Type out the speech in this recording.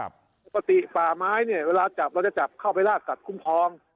ปกติป่าไม้เนี่ยเวลาจับเราจะจับเข้าไปลากสัตว์คุ้มครอง